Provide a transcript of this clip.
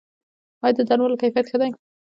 آیا د درملو کیفیت ښه دی؟